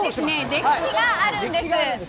歴史があるんです。